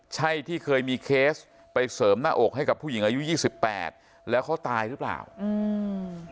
ใช่ที่เคยมีเคสไปเสริมหน้าอกให้กับผู้หญิงอายุยี่สิบแปดแล้วเขาตายหรือเปล่าอืม